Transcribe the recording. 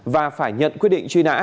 và phải nhận quyết định truy nã